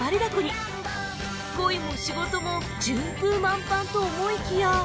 恋も仕事も順風満帆と思いきや